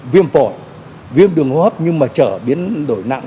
viêm phổi viêm đường hốt nhưng mà trở biến đổi nặng